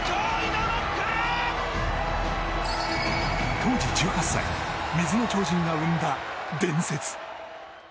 当時１８歳水の超人が生んだ伝説。